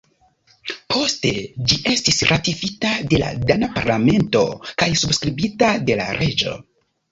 Poste ĝi estis ratifita de la dana parlamento kaj subskribita de la reĝo.